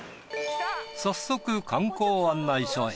早速観光案内所へ。